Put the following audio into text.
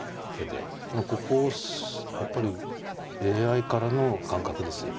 ここやっぱりＡＩからの感覚ですよね。